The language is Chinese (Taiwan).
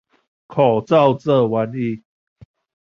口罩這玩意